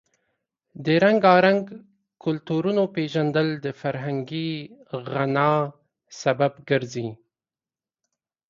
د رنګارنګ کلتورونو پیژندل د فرهنګي غنا سبب ګرځي.